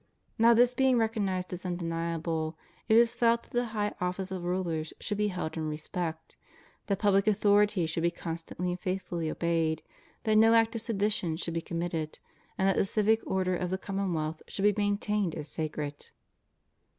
Now, this being recognized as undeniable, it is felt that the high office of rulers should be held in respect; that public authority should be constantly and faithfully obeyed; that no act of sedition should be committed ; and that the civic order of the commonwealth should be maintained as sacred.